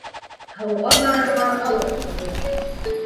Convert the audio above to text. Һыуға барырға алыҫ түгел.